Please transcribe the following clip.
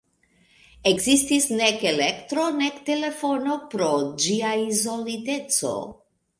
Ekzistis nek elektro nek telefono pro ĝia izoliteco.